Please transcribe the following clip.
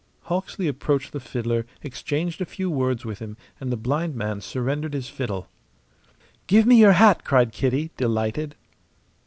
Hawksley approached the fiddler, exchanged a few words with him, and the blind man surrendered his fiddle. "Give me your hat!" cried Kitty, delighted.